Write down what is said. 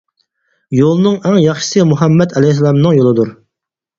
يولنىڭ ئەڭ ياخشىسى مۇھەممەد ئەلەيھىسسالامنىڭ يولىدۇر.